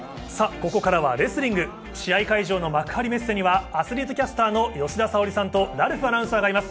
ここからはレスリング試合会場の幕張メッセには、アスリートキャスターの吉田沙保里さんとラルフアナウンサーがいます。